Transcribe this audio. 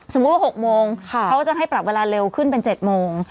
ว่า๖โมงเขาจะให้ปรับเวลาเร็วขึ้นเป็น๗โมง